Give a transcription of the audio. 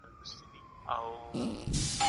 حضوري ټولګي کي ملګرتيا بې هڅې سره نه پياوړې کيږي.